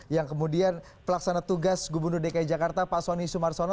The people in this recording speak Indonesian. yang kemudian pelaksana tugas gubernur dki jakarta pak soni sumarsono